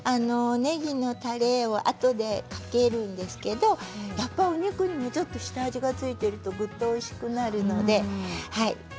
ねぎのたれをあとでかけるんですけれどやっぱお肉に下味が付いているとぐっとおいしくなるので。